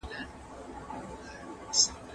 په کورنۍ زده کړه کي د ماشوم حق نه خوړل کېږي.